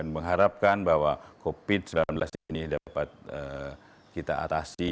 mengharapkan bahwa covid sembilan belas ini dapat kita atasi